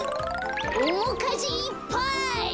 おもかじいっぱい！